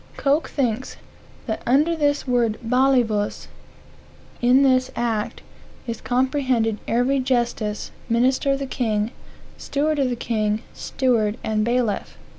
Coke thinks "that under this word balivus, in this act, is comprehended every justice, minister of the king, steward of the king, steward and bailiff."